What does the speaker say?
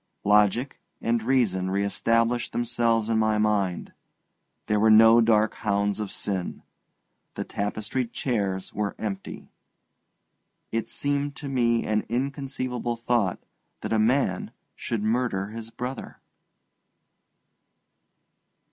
Logic and reason re established themselves in my mind, there were no dark hounds of sin, the tapestried chairs were empty. It seemed to me an inconceivable thought that a man should murder his brother.